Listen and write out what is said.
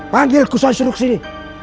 panggil kusoy suruh kesini